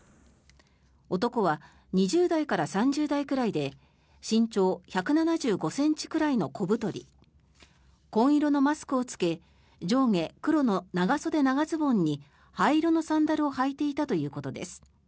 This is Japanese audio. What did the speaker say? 男は２０代から３０代くらいで身長１７５ｃｍくらいの小太り紺色のマスクを着け上下黒の長袖長ズボンに灰色のサンダルを履いていたということです。